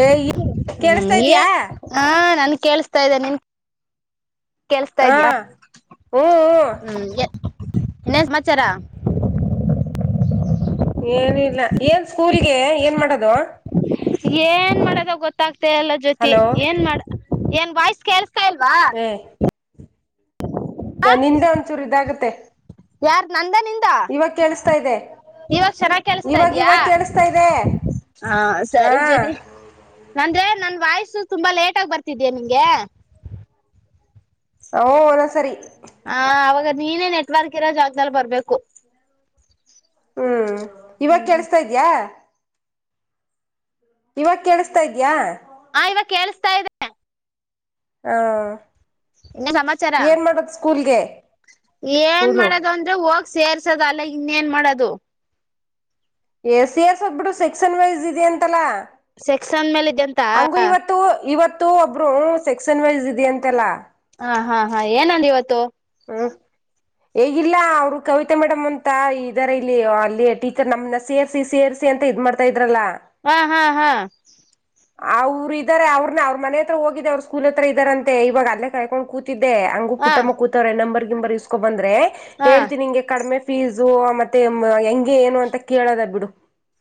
ಏ ಕೇಳಿಸತಾ ಹ್ಮ ಇದ್ಯಾ ಹಾ ನನ್ ಕೇೇಳಸ್ತಾ್ದೇ ನೀನ್ [inaudible] ಕಲ್ಸ್ತಾ ಹಾ ಇದಯಾ ಹ್ಮ ಹ್ಮ್ ಹ್ಮ ಎ [unintelligible] ಇನ್ನೇನ್ ಸಮಾಚಾರ [unintelligible] ಏನ ಇಿಲ್ಲ ಏನ್ ಸ್ಕೂಲ್ಗೆ ಏನ್ ಮಾಡದು [unintelligible] ಏನ್ ಮಾಡದ ಗೊತ್ತಾಗ್ತ ಅಲ್ಲ ಜೊತಿ ಹಲೋ ಏನ್ ಮಾಡ ಏನ್ ವಾಯ್ಸ್ ಕೆಲ್ಸ [unintelligible] ಹ್ಮ [unintelligible] ಹ ನಿಂದೆ ಒಂದಚೂರು ಇದಾಗತ್ತೆ [unintelligible] ಯಾರ್ ನಂದನಿ ಕೇಳಿಸ್ತಾ ಇದೆ [unintelligible] ಇವಾಗ ಚೆನ್ನಾಗಿ ಕೇಳಿಸತಾ ಇವಾಗ ಇದಯ ಇವಾಗ ಕೇಳಿಸ್ತಾ ಇದೆ [unintelligible] ಹಾ ಹಾ ಸರಿ ಜೋರಿ ನಂದೆ [unintelligible] ನನ್ ವಾಯ್ಸು ತುಂಬಾ ಲೇಟ್ ಆಗ ಬರ್ತಿದೀ ನಿಂಗೆ ಓಲ ಸರಿ ಹ ಅವಾಗ ನೀನೇ ನೆಟ್ವರ್ಕ್ ಇರೋ ಜಾಗ್ದದಲ್ಲಿ ಬರ್ಬೇಕು ಹ್ಮ್ ಇವಾಗ ಹ್ಮ್ ಕೆಳ್ಸ್ತಾ ಇದ್ಯಾ ಇವಾಗ ಕೇಳಿಸತಾ ಇದ್ಯಾ ಹಾ ಇವಾಗ ಕೇೇಳಸ್ತಾ ಇದ್ದೆ ಹಾ ಇನ್ನ ಸಮಾಚಾರ ಏನ್ ಸ್ಕೂಲು ಮಾಡದು ಅಂದ್ರೆ ಹೋಗ ಸೇರ್ಸದ ಅಲ್ಲ ಇನ್ನೇನ್ ಮಾಡದು ಎ ಸಿ ಎಸ್ ಒಬ್ಬಿಟ್ಟಡು ಸೆಕ್ಷನ್ ವೈಸ್ ಇದ ಅಂತಲ್ಲಾ ಸೆಕ್ಷನ್ ಮೇಲೆ ಇದ್ಯಂತ ಹಂಗು ಇವತ್ತು ಇವತ್ತು ಒಬ್ರು ಸೆಕ್ ಕ್ಷಸನ್ ವೈಸ್ ಇದ್ಯಂತಲ್ಲ. ಹಾ ಹಾ ಹಾ ಏನಂ ದಿವತ್ತು. ಹ್ಮ ಇಗಿಲ್ಲ ಅವರು ಕವಿತಾ ಮೇಡಮ್ ಅಂತ ಇದಾರೆ ಇಲ್ಲಿ ಅಲ್ಲಿ ಟೀಚರ್ ನಮನ್ನ ಸೇರ್ಸಿ ಸೇರ್ಸಿ. ಅಂತ ಇದ್ ಮಾಡ್ತ ಇದ್ರಲ್ಲ. ಅಹಾ ಹಾ ಹಾ. ಅವ್ರ ಇದಾರೆ ಅವ್ರನ್ನ ಅವ್ರ ಮನೆ ಹತ್ರ ಹೋಗಿದ್ದ ಅವ್ರ ಸ್ಕೂಲ್ ಹತ್ರ ಇದ್ದಾರಂತೆ ಇವಾಗ ಅಲ್ಲೇ ಕಾರಕೊಂಡೊಗ್ ಕೂತಿ. [unintelligible] ದೆ ಹಂಗು ಹಾ ಪುಟ್ಟಮ್ಮ ಕೂತವ್ರೆ ನಂಬರ್ ಗಿಂಬರ್ ಇಸ್ಕೊ ಬಂದ್ರೆ ಹಾ ಹೇಳ್ತೀನಿ ನಿಂಗೆ ಕಡಿಮೆ. ಫೀಸು ಮತ್ತೆ ಹೆಂಗೆ ಏನು ಅಂತ ಕೇಳೋದ ಬಿಡು.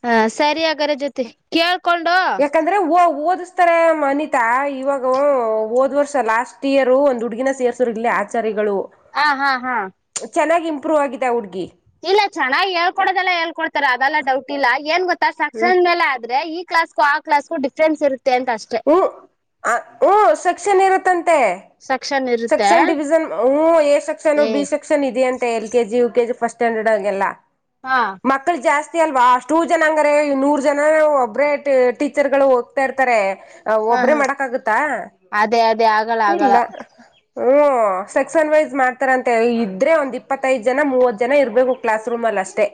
ಹಾ ಸರಿ ಹಾಗರೆ ಜ್ಯೊತಿ ಕೇಳ್ಕೊಂಡು. ಯಾಕಂದ್ರೆ ಓ ಓದಿಸ್ತಾರೆ ಅನಿತಾ ಇವಾಗ ಓ ವೊದ್ ವರ್ಷ ಲಾಸ್ಟ್ ಇಯರ್ ಒಂದ್ ಹುಡುಗಿನ. ಸೇರ್ಸುರು ಇಲ್ಲಿ ಆಚಾರಿಗಳು. ಹಾ ಹಾ ಹಾ ಚೆನ್ನಾಗಿ ಇಂಪ್ರೂವ್ ಆಗಿದೆ ಅ ಹುಡುಗಿ. ಇಲ್ಲ ಚೆನ್ನಾಗಿ ಹೇಳ್ಕೊಡೋದೆಲ್ಲ ಹೇಳ್ಕೊಡ್ತಾರೆ ಅದೆಲ್ಲಾ ಡೌಟ್ ಇಲ್ಲ ಏನ್ ಗೊತ್ತಾ ಹ್ಮ್ ಸಕ್ಷನ್ ಮೇಲೆ ಆದ್ರೆ ಈ ಕ್ಲಾಸ್ಗು ಆ ಕ್ಲಾಸ್ಗು ಡಿಫರೆನ್ಸ್ ಇರು ಹ್ಮ ಅ ಊ ಸೆಕ್ಷನ್ ಇರುತ್ತಂತೆ. ಸೆಕ್ಷನ್ ಇರುತ್ತೆ ಸೆಕ್ಷನ್ ಡಿವಿಜನ್ ಉ ಎ ಸೆಕ್ಷನ್ ಏ ಬಿ ಸೆಕ್ಷನ್ ಇದೆಯಂತ L KG U KG first standard ಆಂಗೆಲ್ಲ ಹಾ ಮಕ್ಕಳು ಜಾಸ್ತಿ. ಅಲ್ವಾ ಅಷ್ಟು ಜನ ಅಂಗರೆ ನೂರ್ ಜನ ಒಬ್ಬ್ರೇ ಟೀಚರ್ ಗಳು ಹೋಗ್ತಾ ಇರ್ತಾರೆ. ಹ ಒಬ್ರೇ ಹ ಮಾಡಕ ಆಗತ್ತಾ ಅದೇ ಅದೇ ಆಗಲ್ಲ ಆಗಲ್ಲ ಇಲ್ಲ ಹ್ಮ. ಸೆಕ್ಷನ್ ವೈಸ್ ಮಾಡ್ತಾರಂತೆ ಇದ್ರೆ ಒಂದ ಇಪ್ಪತ್ತೈದ್ ಜನ ಮೂವತ್ ಜನ ಇರಬೇಕು ಕ್ಲಾಸ್ ರೂಮ್ ಅಲ್ಲಿ ಅಷ್ಟೇ.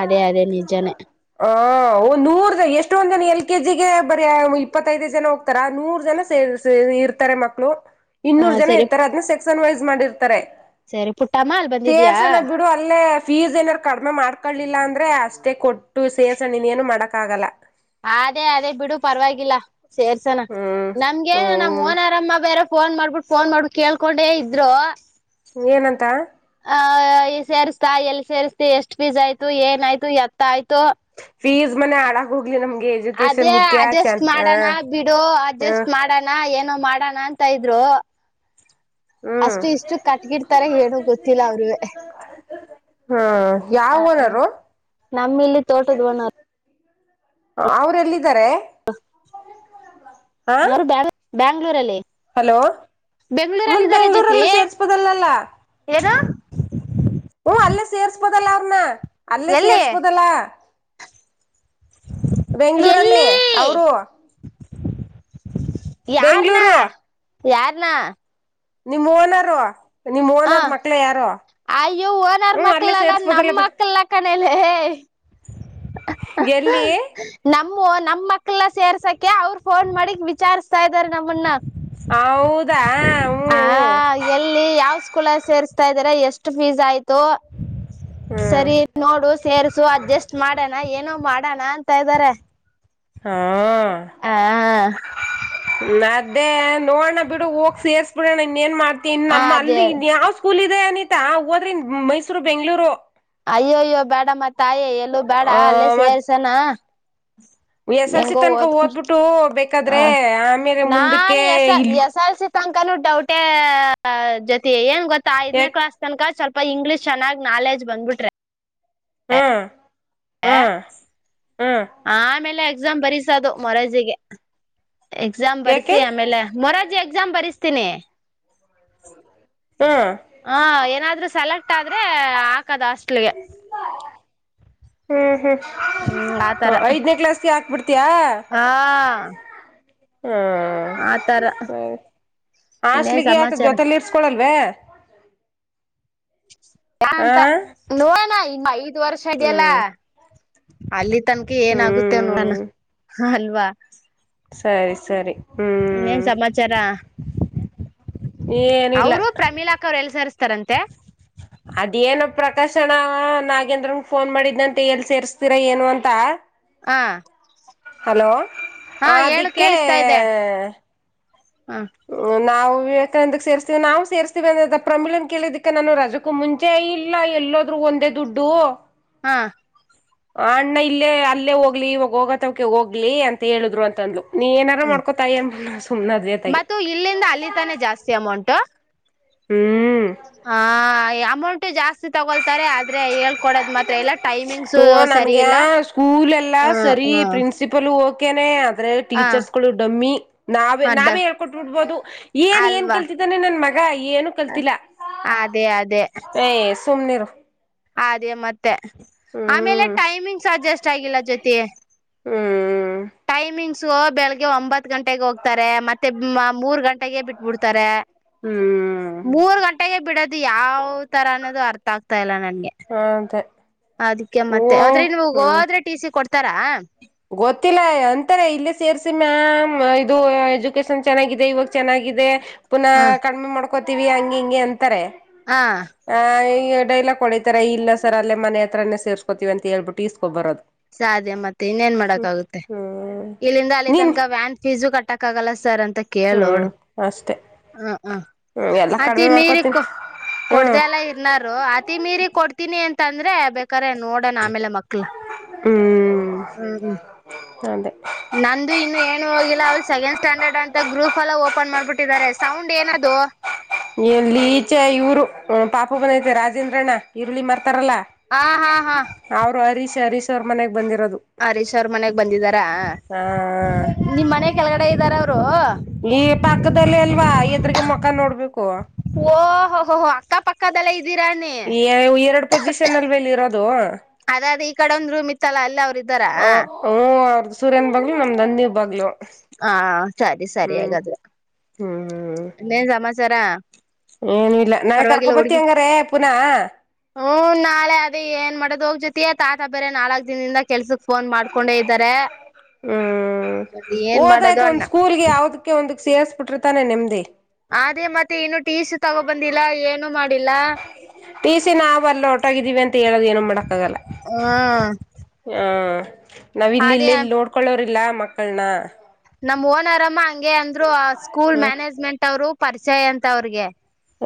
ಅದೇ ಅದೇ ನಿಜಾನೇ. ಹ ಒ ನೂರ ಎಷ್ಟೊಂದ್ ಜನ ಎಲ್ ಕೆ ಜಿಗೆ ಬರೆ ಇಪ್ಪತ್ [unintelligible] ದೇ ಜನ ಹೋಗ್ತಾರ ನೂರು ಜನ ಸೇ ಇರ್ತಾರೆ ಮಕ್ಕಳು ಹ ಇನ್ನೂರು ಜನ ಸರಿ ಇರ್ತಾರೆ ಅದನ್ನ ಸೆಕ್ಸನ್ ವೈಸ್. ಮಾಡಿರ್ತಾರೆ ಸರಿ ಪುಟ್ಟಮ್ಮ ಅಲ್ಲಿ ಬಂದಿದ್ಯಾ ಸೇರ್ಸಣ ಬಿಡು ಅಲ್ಲೇ. ಫೀಸ್ ಏನಾದಾರು ಕಡಿಮೆ ಮಾಡ್ಕೊಳ್ಳೀಲ್ಲ ಅಂದ್ರೆ ಅಷ್ಟೇ ಕೊಟ್ಟು ಸೇರ್ಸಣ ಇನ್ ಏನು ಮಾಡಕ್ ಆಗಲ್ಲ. ಸೇರ್ಸಣ ಹ್ಮ್ ನಮ್ಗೇನ ನಮ್ ಹ್ಮ್ ಓನರಮ್ಮ ಬೇರೆ. ಫೋನ್ ಮಾಡ್ಬಿಟ್ಟು ಫೋನ್ ಮಾಡ್ಬಿಟ್ಟು ಕೇಳ್ಕೊಂಡೆ ಇದ್ರು. ಏನಂತ ಆ ಸೇರಿಸ್ತಾ ಎಲ್ಲಿ ಸೇರುಸ್ತೆ ಎಷ್ಟ್ ಪೀಸ್ ಆಯ್ತು ಏನ್ ಆಯ್ತು ಎತ್ತ ಆಯ್ತು. ಫೀಸ್ ಮನೆ ಹಾಳಾಗ್ ಹೋ ಅದೇ ಅಡ್ಜಸ್ಟ್ ಹ ಮಾಡಣ ಬಿಡು ಹ್ಮ್ ಅಡ್ಜಸ್ಟ್ ಮಾಡೋಣ ಏನೋ. ಮಾಡೋಣ ಅಂತ ಇದ್ರು. ಹ್ಮ್ ಅಷ್ಟು ಇಷ್ಟು ಕಟ್ಗಿಡ್ತಾರ ಏನು ಗೊತ್ತಿಲ್ಲ ಅವ್ರುವೆ. ಹ್ಮ ಯಾವ ಊರರು. ನಮ್ಮ ಇಲ್ಲಿ ತೋಟದ ಓನರ್ ಅವ್ರ ಎಲ್ಲಿದ್ದಾರೆ ಹಾ. ಅವರು ಬ್ಯಾಂಗ್ ಬ್ಯಾಂಗ್ಳೂರಲ್ಲಿ. ಹಲೋ ಮತ್ ಬೆಂಗಳೂರಲ್ಲಿದ್ದಾರೆ ಜಸ್ಸೀ ಬೆಂಗ್ಳೂರಲ್ಲಿ ಸೇರ್ಸ್ಬೋದಲ್ಲಲ್ಲ ಏನು. [inaudible] ಹ್ಮ ಅಲ್ಲೇ ಸೇರ್ಸ್ಬೋದಲ್ಲ ಅವ್ರನ್ನ ಅಲ್ಲೇ ಎಲ್ಲಿ ಸೇರ್ಸ್ಬೋದಲ್ಲ. ಬೆಂಗಗಳೂರಲ್ಲಿ ಎಲ್ಲಿ ಅವರು. ಯಾರನಾ ಬೆಂಗ್ಳೂರು ಯಾರನಾ. ನಿಮ್ಮ್ ಓನರ್ರು ನಿಮ್ಮ ಓನರ್ ಮಕ್ಳ ಯಾರೋ. ಅಯ್ಯೋ ಓನರ್ ಮಕ್ಳಲ್ಲ ನಮ್ಮ ಮಕ್ಳಲ್ಲ ಕಣೆಲೆ. ಎಲ್ಲಿ. ನಮ್ಮ ಓ ನಮ್ಮ ಮಕ್ಳ ಸೇರ್ಸಕೆ ಅವರು ಫೋನ್ ಮಾಡಿಕ್ ವಿಚಾರಸ್ತಾ ಇದಾರೆ ನಮ್ಮನ್ನ. ಹೌದಾ ಹ್ಮ್ ಹ ಎಲ್ಲಿ ಯಾವ ಸ್ಕೂಲಲ್ ಸೇರ್ಸ್ [unintelligible] ತಾ ಇದಾರೆ ಎಷ್ಟು ಫೀಸ್ ಆಯ್ತು. ಹ್ಮ್ ಸರಿ ನೋಡು ಸೇರ್ಸು ಅಡ್ಜಸ್ಟ್ ಮಾಡಣ ಏನೋ ಮಾಡಣ ಅಂತ ಇದ್ದಾರೆ. ಹಾ ಹ ಅದ್ದೇ ನೋಡಣ ಬಿಡು ಹೋಗ ಸೇರ್ಸ್ ಬಿಡಣ ಇನ್ ಏನ್ ಮಾಡತಿ ಇನ್ ನಮ್ಮ ಅದೇ ಅಲ್ಲಿ ಇನ್ ಯಾವ ಸ್ಕೂಲ್ ಇದೆ ಅನಿತಾ ಹೋದ್ರೆ ಇನ್ ಮೈಸೂರು ಬೆಂಗ್ಗಳೂರು ಅಯ್ಯೋಯ್ಯೋ ಬೇಡ ಮಾ ತಾಯೇ ಎಲ್ಲೂ ಬೇಡ ಅಲ್ಲೇ ಸೇರ್ಸಣ ಹ [unintelligible] ಎಸ್ ಎಸ್ ಎಲ್ ಸಿ ಹೆಂಗೋ ತನಕ ಓದ್ಕ ಓದ್ಬಿಟ್ಟು ಬೇಕಾದ್ರೆ ಹ ಆಮೇಲೆ ಮುಂದಕ್ಕೆ ಇಲ್ ತನಕನುು ಡೌಟೆ ಜ್ಯೋತಿ ಜೊತೆ ಏನ್ ಗೊತ್ತ ಐದನೇ ಯಾಕ್ ಕ್ಲಾಸ್ ತನಕ ಸ್ವಲ್ಪ ಸ್ವಲ್ಪ ಇಂಗ್ಲಿಷ್ ಚನ್ನಾಗಿ ನಾಲಜ್ ಬಂದ್ಬಟ್ಟು ಹಹ್ಮ್ [unintelligible] ಆಮೇಲೆ ಎಕ್ಸಾಮ್ ಬರಿಸೋದು ಮೂರಾರ್ಜಿ ಗೆ ಎಕ್ಸಾಮ್ ಯಾಕೆ ಬರ್ಸಿ ಆಮೇಲೆ ಮೂರಾರ್ಜಿ ಎಕ್ಸಾಮ್ ಬರಿಸ್ತೀನಿ ಹಾ ಹ ಏನಾದ್ರೂ ಸೆಲೆಕ್ಟ್ ಆದ್ರೆ ಹಾಕದ ಹಾಸ್ಟೆಲ್ ಗೆ ಹ್ಮ್ ಹ್ಮ್ ಐದ್ನೇ ಕ್ಲಾಸ್ಗೆ ಹಾಕ್ಬಿಡ್ತತ್ ಹಾ ಹ್ಮ್ ಆತರ ಸರಿ ಇನ್ನೇನ್ ಹಾಸ್ಟೇಲ್ ಗೆ ಯಾಕೆ ಸಮಾಚಾರ ಜೊತೆಲಿ ಇರ್ಸ್ಕೊಳಲ್ವವೆ [unintelligible] ಯಂತ ನೋಡೋಣ ಐದ ವರ್ಷ ಇದಲ್ಲ ಹ್ಮ್ ಅಲ್ಲೀತನಕ ಅಲ್ಲಿ ತನಕ ಏನಾಗುತ್ತೆೋ ಹ್ಮ್ ನೋಡೋಣ ಅಲ್ವಾ ಸರಿ ಸರಿ ಇನ್ನೇನ್ ಹ್ಮ್ ಸಮಾಚಾರ ಏನಿಲ್ಲ ಅವರು ಪ್ರಮೀಲಾಕ್ಕ ಅವ್ರು ಎಲ್ ಸೇರಿಸತಾರಂತೆ ಅದೇನಪ್ಪ ಪ್ರಕಾಶಣ್ಣ ನಾಗೇಂದ್ರಗೆ ಫೋನ್ ಮಾಡಿದಂತೆ ಎಲ್ಲಿ ಸೇರ್ಸ್ತೀರ ಏನು ಅಂತ ಹಾ ಹಲೋ ಹೇಳು ಅದಿಕ್ಕೆ ಕೇಳಿಸ್ತಾ ಇದೆ ಹ ನಾವು ವಿವೇಕಾನಂದ ಸೇರಿಸ್ತೀವಿ ನಾವು ಸೇರ್ಸ್ತೀವಿ ಅಂದ ಪ್ರಮೀಳನ್ ಕೇಳಿದಕ್ಕೆ ನಾನು ರಜಕ್ಕೂ ಮುಂಚೆ ಇಲ್ಲ ಎಲ್ಲೋದ್ರೂ ಒಂದೇ ದುಡ್ಡು ಹಾ ಅಣ್ಣ ಇಲ್ಲೇ ಅಲ್ಲೇ ಹೋಗ್ಲಿ ಇವಾಗ ಹೋಗತವಕ ಹೋಗ್ಲಿ ಅಂತ ಹೇಳಿದ್ರು ಅಂತಂದ್ಲು ನೀ ಏನಾರ ಮಾಡ್ಕೋತಾಯ ಅಂತ! ಮತ್ತು ಇಲ್ಲಿಂದ ಅಲ್ಲಿ ತಾನೆ ಜಾಸ್ತಿ ಅಮೌಂಟ್ ಹ್ಮ್ ಹಾ ಅಮೌಂಟ್ ಜಾಸ್ತಿ ತಗೊಳ್ತಾರೆ ಆದ್ರೆ ಹೇಳ್ಕೊಡದ್ ಮಾತ್ರ ಇಲ್ಲ ಟೈಮಿಂಗ್ಸ್ ಸರಿ ನನ್ಗೆ ಇಲ್ಲ ಸ್ಕೂಲ್ ಎಲ್ಲಾ ಹ್ಮ್ ಸರಿ ಹ್ಮ್ ಪ್ರಿನ್ಸಿಪಲ್ ಓಕೇನೆ ಆದ್ರೆ ಹ ಟೀಚರ್ಸ್ ಗಳು ಡಮ್ಮಿ ನಾವೇ ಅಡ್ಡ ನಾವೇ ಹೇಳ್ಕೊಟ್ಟ ಬಿಡ್ಬಹುದು ಏನ್ ಏನ್ ಅಲ್ವಾ ಕಲ್ತಿದ್ದಾನೆ ನನ್ ಮಗ ಏನು ಕಲ್ತಿಲ್ಲಾ ಅದೇ ಅದೇ ಏ ಸುಮನಿರು ಅದೇ ಮತ್ತೆ ಆಮೇಲೆ ಹ್ಮ್ ಟೈಮಿಂಗ್ಸ್ ಅಡ್ಜಸ್ಟ್ ಆಗಿಲ್ಲ ಜ್ಯೋತಿ ಹ್ಮ ಹ್ಮ್ ಟೈಮಿಂಗ್ ಬೆಳಿಗ್ಗೆ ಒಂಬತ್ ಗಂಟೆಗೆ ಹೋಗ್ತಾರೆ ಮತ್ತೆ ಮೂರ್ ಗಂಟೆಗೆ ಬಿಟ್ಬಿಡ್ತಾರೆ ಹ್ಮ್ ಹ್ಮ್ ಮೂರ್ ಗಂಟೆಗೆ ಬಿಡದು ಯಾವ್ ತರ ಅನ್ನೋದು ಅರ್ಥ ಆಗ್ತಾ ಇಲ್ಲ ನನ್ಗೆ ಅದೇ ಅದಕ್ಕೆ ಓ ಮತ್ತೆ ಆದ್ರೆ ನೀ ಹ್ಮ್ ಹೋದ್ರೆ ಟಿ ಸಿ ಕೊಡ್ತಾರಾ ಗೊತ್ತಿಲ್ಲ ಅಂತಾರೆ ಇಲ್ಲಿ ಸೇರ್ಸಿ ಮ್ಯಾಮ್ ಇದು ಎಜುಕೇಶನ್ ಚೆನ್ನಾಗಿದೆ ಇವಾಗ ಚೆನ್ನಗ್ ಇದೆ ಪುನಃ ಹ ಕಡಿಮೆ ಮಾಡಕೋವಿ ಹಂಗೆ ಇಂಗೆ ಅಂತಾರೆ ಹ ಈ ಡೈಲಾಗ್ ಹೊಡಿತಾರೆ ಇಲ್ಲ ಸರ್ ಅಲ್ಲೆ ಮನೆ ಹತ್ರನೇ ಸೇರಿಸ್ಕೊತ್ತೀವಿ ಅಂತ ಹೇಳ್ಬಿಟ್ಟು ಇಸ್ಕೊ ಬರೋದು ಸಾಧ್ಯ ಮತ್ತೆ ಇನ್ನೇನ್ ಮಾಡಕ್ ಹ್ಮ್ ಆಗುತ್ತೆ ಹ್ಮ್ ಇಲ್ಲಿಂದ ಅಲ್ಲಿ ತನಕ ವ್ಯಾನ್ ಫೀಸು ಕಟ್ಟಕ್ ಆಗಲ್ಲ ಸರ್ ಅಂತ ಕೇಳೋಡು ಹ್ಮ ಅಷ್ಟ ಹ ಹ್ಮಅತಿ ಮೀರಿ ಮಾಡ್ಕೋತೀನಿ ಕೊಡ್ದ ಹ್ಮ್ ಎಲ್ಲಾ ಇರ್ನಾರು ಆತಿ ಮೀರಿ ಕೊಡ್ತೀನಿ ಅಂತ ತಂದ್ರೆ ಬೇಕಾರೆ ನೋಡಣ ಆಮೇಲೆ ಮಕ್ಳ ಹ್ಮ್ ಹ್ಮ ಅದೇ ನಂದುು ಇನ್ನು ಏನು ಹೋಗಿಲ್ಲ ಅವ ಸೆಕೆಂಡ್ ಸ್ಟ್ಯಾಂಡರ್ಡ್ ಅಂತ ಗ್ರೂಪ್ ಎಲ್ಲ ಓಪನ್ ಮಾಡ್ಬಿಟ್ಟಿದ್ದಾರೆ ಸೌಂಡ್ ಏನ್ ತೋ ಇಲ್ಲಿ ಈಚೆ ಇವ್ರು ಪಾಪು ಬಂದೈತೆರಾಜೇಂದ್ರಣ್ಣ ಇರುಳಿ ಮರ್ತ ಲ್ಲ ಹ ಹಾ ಹಾ ಹರೀಶ್ ಹರೀಶ್ ಅವ್ರ ಮನೆಗ್ ಬಂದಿರೋದು ಹರೀಶ್ ಅವ್ರ ಮನೆಗ್ ಬಂದಿದಾರಾ ಹ ನಿಮ್ ಮನೆ ಕೆಳಗಡೆ ಇದ್ದಾರ ಅವರು ತಿರ್ಗಿಮಖ ನೋಡ್ಬೇಕು ಓ ಹೋಅಕ್ಕ ಪಕ್ಕದಲ್ಲ ಎರಡು ಪೊಸಿಷನ್ ಅಲ್ವಾ ಇಲ್ಲಿರೋದು ಕಡಂದ್ರು ಮಿತ್ತಲ್ಲ ಅಲ್ಲ ಅವ್ರಿಗೆ ಹ ಹ ಅವ್ರ್ದ ಸೂರ್ಯನ್ ಬಾಗ್ಲುನಮ್ದ ನಂದಿ ಬಾಗ್ಲು ಹಾ ಸರಿ ಸರಿ ಹಾಗಾದ್ರೆ ಹ್ಮ ಇನ್ನೇನ್ ಸಮಾಚಾರ ಏನಿಲ್ಲನಾಳೆ ಕರ್ಕೊಬತ್ತಿಯ ಹಂಗಾರ ಪುನಃ ಹ್ಮ ನಾಳೆ ಅದೇ ಏನ್ ಮಾಡೋ ಹೋಗ್ ಜೊತಿಯಾ ತಾತ ಬೇರೆ ನಾಲ್ಕ್ ದಿನದಿಂದ ಕೆಲ್ಸಕ್ ಫೋನ್ ಮಾಡ್ಕೊಂಡೆ ಇದ್ದಾರೆ ಹ್ಮ್ ಏನ್ ಮಾಡೋದು ಅಣ್ಣ ಸೇರಿಸಿ ಬಿಟ್ಟಿರುತಾನೆ ನೆಮ್ಮದಿ ಅದೇ ಮತ್ತೆ ಇನ್ನು ಟೀಸು ತಗೋಬಂದಿಲ್ಲ ಏನು ಮಾಡಿಲ್ಲ ಟಿ ಸಿನಾವವು ಅಲ್ಲ ಒಟಾಗಿದ್ದೀವಿ ಅಂತ ಹೇಳದ ಏನು ಮಾಡಕ್ಕಾಗಲ್ಲ ಹ್ಮ್ ಹ ನಾವ್ ಇಲ್ಲಿ ಅದೇ ಇಲ್ಲ ಇಲ್ಲಿ ನೋಡ್ಕೊಳ್ಳೋರಿಲ್ಲ ಮಕ್ಕಳನ ನಮ್ ಓನರ್ ಅಮ್ಮ ಹಂಗೆ ಅಂದ್ರು ಸ್ಕೂಲ್ ಹ್ಮ ಮ್ಯಾನೇಜ್ಮೆಂಟ್ ಅವ್ರು ಪರಿಚಯ ಅಂತ ಅವ್ರಿಗೆ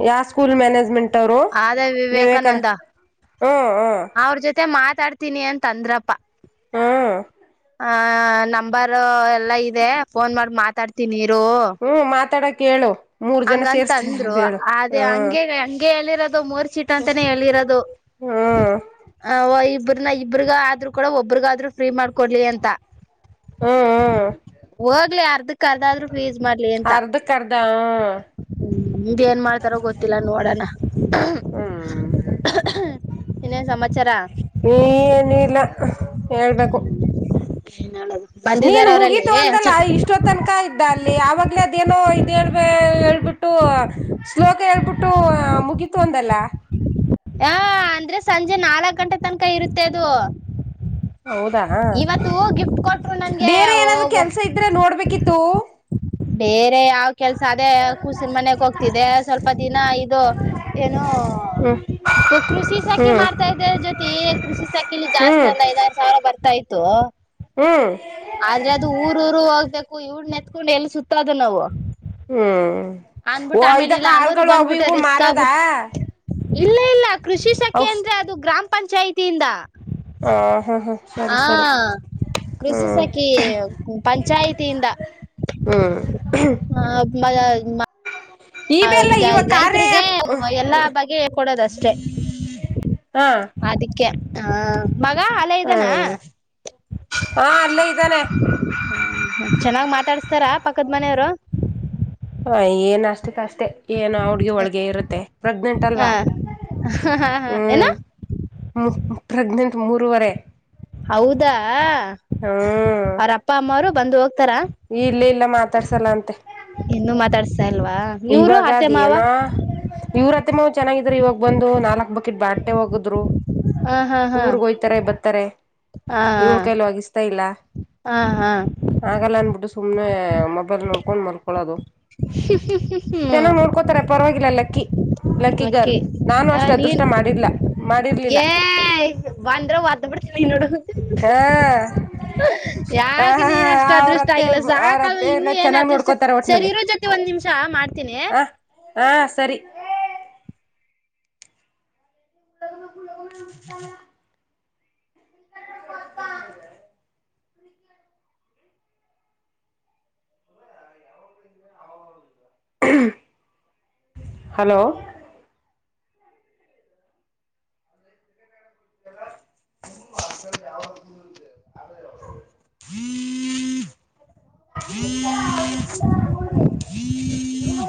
ಯ ಸ್ಕೂಲ್ ಮ್ಯೇಜ್ಮೆಂಟ್ ಅದೇ ವಿವೇಕಾನಂದ ಹ್ಮ್ ಹ್ಮ್ ಅವ್ರ ಜೊತೆ ಮಾತ್ ಮಾತಾಡ್ತೀನಿ ಅಂತ ಅಂದ್ರಪ್ಪಾ ಹಾ. ಆ ನಂಬರ್ ಎಲ್ಲಾ ಇದೆ ಫೋನ್ ಮಾಡ್ ಮಾತಾಡ್ ನೀರು ಹ್ಮ್ ಮಾತಾಡಕ್ ಹೇಳು ಮೂರ್ ಜನ ಸೇರ್ಸ್ತೀನಿ ಹಂಗಂತಂದ್ರು ಅಂತ ಹೇಳು ಅದೇ ಹ್ಮ್ ಹಂಗೆ ಗೆ ಹೇಳಿರೋದು ಮೂರ್ ಚೀಟ್ ಅಂತಾನೇ ಹೇಳಿರೋದು ಹ್ಮ್ ಇಬ್ಬರು ನ ಇಬ್ರಗ ಆದ್ರರು ಕೂಡ ಒಬ್ರಗಾದ್ರರು ಫ್ರೀ ಮಾಡ್ಕೊಡ್ಲಿ ಅಂತ ಹ್ಮ್ ಹೋಗ್ಲಿ ಆರ್ ಅರ್ಧಕರ್ಧ ನಿಮ್ದ್ ಏನ್ ಮಾಡ್ತಾರೋ ಗೊತ್ತಿಲ್ಲ ನೋಡಣ ಹ್ಮ್ ಇನ್ನೇನ್ ಸಮಾಚಾರ ಏನುೂ ಇಲ್ಲ ಹೇಳ್ಬೇಕು ನಳದು ನೀನ್ ಮುಗೀತು ಅಂದಲ್ಲ ಇಷ್ಟೊ ತನಕ ಅಲ್ಲಿ ಆವಾಗ್ಲೇ ಅದೇನೋ ಇದಳ್ಬ ಹೇಳ್ಬಿಟ್ಟು ಶ್ಲೋಕ ಹೇಳ್ಬಿಟ್ಟು ಮು ಇತ್ತುಅಂದಲ್ಲ ಹಾ ಅಂದ್ರೆ ಸಂಜೆ ನಾಲ್ಕ್ ಗಂಟೆ ತನಕ ಇರುತ್ತೆ ಅದು ಹೌದಾ ಇವತ್ತು ಗಿಫ್ಟ್ ಕೊಟ್ರು ನನಗೆ ಬೇರೆ ಓ ಏನಾದ್ರು ಓ ಕೆಲ್ಸ ಇದ್ರೆ ನೋಡ್ಬೇಕಿತ್ತು ಬೇ ಯಾವ್ ಕೆಲಸ ಅದೇ ಕೂಸಿನ ಮನೆಗೆ ಹೋಗ್ತಿದೆ ಸ್ವಲ್ಪ ದಿನ ಇದು ಏನು ಹ್ಮ್ ಕೃಷಿ ಸಾಕಿ ಹ್ಮ್ ಮಾಡ್ತಾ ಇದ್ರ ಜೊತೆ ಕೃಷಿ ಸಾಕಿಲಿ ಜಾಸ್ತಿ ಹ್ಮ್ ಒಂದ್ ಐದಾರು ಸಾವಿರ ಬರ್ತಾ ಇತ್ತು ತೋ ಹ್ಮ್ ಆದ್ರೆ ಅದು ಊರಊರು ಹೋಗ್ಬೇಕು ಇವ್ಳ್ ನೆತ್ಕೊಂಡು ಎಲ್ ಸುತ್ತುವುದು ನಾವು ಹ್ಮ್ ಓ ಅಂದ್ಬಿಟ್ಟು ಇದ ಆಮೇಲೆ ಇಲ್ಲ ಅನೂರ್ಗ್ ಕಾಳುಗಳು ಅವು ಬಂದ್ಬಿಟ್ರೆ ಇವು ರಿಸ್ಕ್ ಮಾರದಾ ಆಗ್ಬಿಟ್ ಇಲ್ಲ ಇಲ್ಲ ಕೃಷಿ ಸಂಖ್ಯೆಅಂದ್ರೆ ಅದು ಗ್ರಾಮ ಪಂಚಾಯಿತಿಯಿಂದ ಹಾ ಹಾ ಹಾ ಸರಿ ಆ ಸರಿ ಕೃಷಿ ಹ್ಮ್ ಸಂಖ್ಯೆ [unintelligible] ಪಂಚಾಯಿತಿಯಿಂದ ಹ್ಮ್ ಮ [unintelligible] ಹ ಇವೆಲ್ಲ ಇವ [unintelligible] ಕಾರ್ಯ ರೈತರಿಗೆ ಆ್ಯಪ್ ಎಲ್ಲಾ ಬಗೆ ಹೇಳಿಕೊಡದಷ್ಟೆ ಹಾ ಅದಿಕ್ಕೆ ಹ [unintelligible] ಮಗ ಅಲ್ಲ ಇದಾನ ಹ್ಮ್ ಹಾ ಅಲ್ಲೇ ಇದ್ದಾನೆ ಹ್ಮ ಚೆನ್ನಾಗಿ ಮಾತಾಡುತ್ತರ ಪಕ್ಕದ ಮನೆಯವರು ಹ ಏನ್ ಅಸ್ತಿಕಟ್ಟೆ ಏನು ಹಡ್ಗಿ ಒಳ್ಗೆ ಇರುತ್ತೆ ಪ್ರೆಗ್ನೆಂಟ್ ಅಲ್ವಾ ಹ ಹಾ ಹಾ ಏನು ಹ್ಮ್ ಪ್ರೆಗ್ನೆಂಟ್ ಮೂರುವರೆ ಹೌದಾ ಹ್ಮ್ ಅವ್ರಪ್ಪ ಅಮ್ಮರು ಬಂದು ಹೋಗ್ತಾ [unintelligible] ಇಲ್ಲ ಇಲ್ಲ ಮಾತಾಡ್ಸಲ್ಲ ಅಂತೆ ಇನ್ನು ಮಾತಾಡ್ಸ [unintelligible] ಇವಾಗ ಅದ ಏನ ಇವ್ರತ್ರ [unintelligible] [unintelligible] ಮತ್ತೆ ಚನ್ನಾಗಿದ್ರರು ಇವಾಗ ಬಂದು ನಾಲ್ಕ ಬಕೆಟ್ ಬಾಟೆ ಹೋಗದ್ರು ಹ ಹಾ ಹಾ ಊರಿಗ್ ಹೋಗ್ತಾರೆ ಬರ್ತಾರೆ ಇವಳ್ ಕಾಯಲ್ಲಿ ಹ ಒಗಿಸ್ತಾ ಇಲ್ಲ ಹ ಹಾ ಹಾಗಗಲ್ಲ ಅಂದಬಿಟ್ಟು ಸುಮ್ನೆ ಮೊಬೈಲ್ ನೋಡ್ಕೊಂಡ್ ಮಲ್ಕೊಳೋದು ಹ [unintelligible] ಚೆನ್ನಾಗ್ ನೋಡ್ಕೋತಾರೆ ಪರವಾಗಿಲ್ಲ ಲಕ್ಕಿ ಲಕ್ಕಿ ಗರ್ಲ್ ನಾನು ಆ ಅಷ್ಟು ನೀನ್ ಅದೃಷ್ಟ ಮಾಡಿಲ್ಲ ಮಾಡಿರ್ಲಿಲ್ಲ ಏ ಬಂದ್ರೆ ಹೊಡ್ಬಿಡ್ತೀನಿ ನೋಡು ಹಾ [unintelligible] ಯಾಕ ಹ ನೀ ಹ ನ ಅಷ್ಟು ಅದೃಷ್ಟ ಅವ್ರತ್ತೆ ಆಗಿಲ್ಲ ಸಾಕಾಲ ಅವ್ರತ್ತೆ ಎಲ್ಲ ಇನ್ನು ಏನ್ ಚೆನ್ನಾಗ್ ಅದೃಷ್ಟ ನೋಡ್ಕೋತಾರ ಸರಿ ಒಟ್ನಲ್ಲಿ ಇರೋ ಜೊತೆ ಒಂದ್ ನಿಮಿಷ ಮಾಡ್ತೀನಿ ಹ ಹಾ ಸರಿ [unintelligible] [inaudible] [unintelligible] ಹಲೋ ಹ್ಮ ಅ ಯೂ [unintelligible] ಹ್ಮ್ ಹ್ಮ ಹ್ಮ [unintelligible] [inaudible]